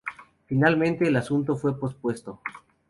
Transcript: Finalmente el asunto fue pospuesto.